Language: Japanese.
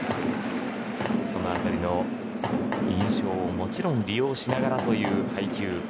そのあたりの印象をもちろん利用しながらという配球。